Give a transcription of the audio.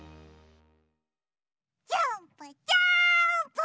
ジャンプジャンプ！